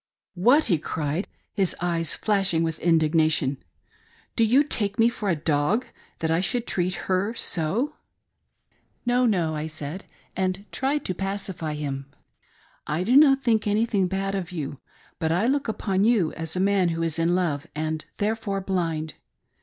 "What !" he cried, his eyes flashing with indignation ;" do jrou take me for a dbg that I should treat ker so ?"" No, no," I said, and tried to pacify him ;" I do not thinlfc anything bad of you, but I look upon you as a man who is in Ibve, and therefore blind.